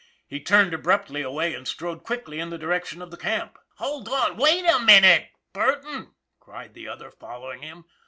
He turned abruptly away and strode quickly in the direction of the camp. " Hold on, wait a minute, Burton," cried the other, following him.